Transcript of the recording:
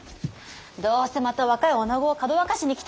どうせまた若いおなごをかどわかしに来たんじゃろ！